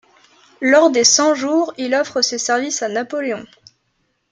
Lors des Cent-Jours, il offre ses services à Napoléon.